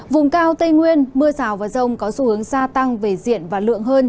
vùng cao tây nguyên mưa rào và rông có xu hướng gia tăng về diện và lượng hơn